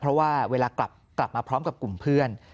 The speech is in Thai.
เพราะว่าเวลากลับมาพร้อมกับกลุ่มเพื่อน